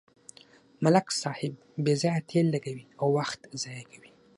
ملک صاحب بې ځایه تېل لګوي او وخت ضایع کوي.